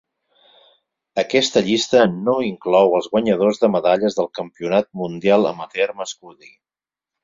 Aquesta llista "no" inclou els guanyadors de medalles del Campionat Mundial Amateur Masculí.